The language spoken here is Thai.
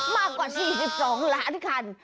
มากกว่า๔๒ล้านคัน